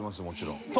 もちろん。